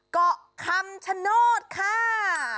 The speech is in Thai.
เกาะคำชโนธค่ะ